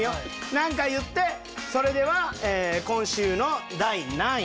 何か言ってそれでは今週の第何位